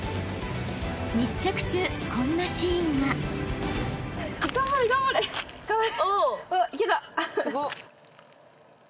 ［密着中こんなシーンが］お。